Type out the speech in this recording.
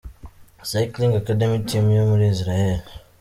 Cycling Academy Team yo muri Israel.